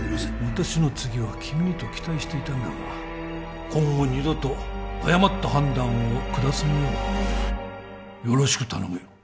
私の次は君にと期待していたんだが今後二度と誤った判断を下さぬようよろしく頼むよ